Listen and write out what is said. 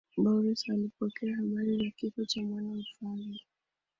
boris alipokea habari za kifo cha mwana wa mfalme